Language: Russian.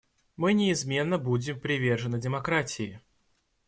Мы неизменно будем привержены демократии.